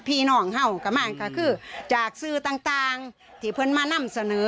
พี่น้องเฮ่ากับมากค่ะคือจากซื้อต่างต่างที่เพื่อนมานำเสนอ